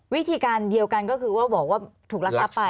วิธีการเดียวกันก็คือว่าบอกว่าถูกรักทรัพย์ไป